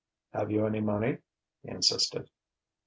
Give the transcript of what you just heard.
"Have you any money?" he insisted.